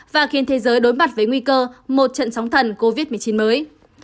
và khiến thế giới đối mặt với nguy cơ một trận sóng thần covid một mươi chín mới